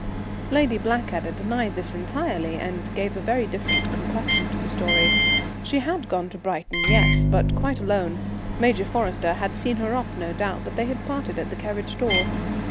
Lady Blackadder denied this entirely, and gave a very different complexion to the story. She had gone to Brighton; yes, but quite alone. Major Forrester had seen her off, no doubt, but they had parted at the carriage door.